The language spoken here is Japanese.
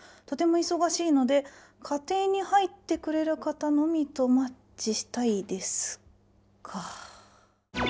とても忙しいので家庭に入ってくれる方のみとマッチしたいです」か。